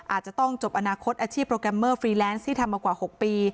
อาจจะต้องจบอนาคตอาชีพโปรแกรมเมอร์ฟรีแลนซ์ที่ทำมากว่า๖ปี